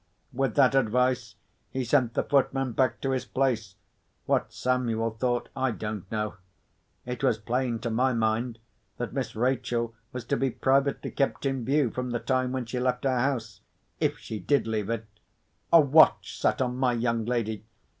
With that advice, he sent the footman back to his place. What Samuel thought I don't know. It was plain, to my mind, that Miss Rachel was to be privately kept in view from the time when she left our house—if she did leave it. A watch set on my young lady!